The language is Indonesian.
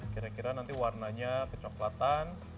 kira kira nanti warnanya kecoklatan